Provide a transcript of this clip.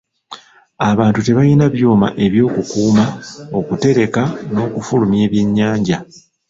Abantu tebalina byuma eby'okukuuma, okutereka n'okufulumya ebyennyanja.